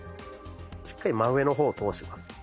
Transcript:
しっかり真上の方を通します。